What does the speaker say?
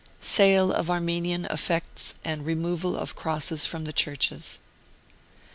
SALE OF ARMENIAN EFFECTS, AND REMOVAL OF CROSSES FROM THE CHURCHES.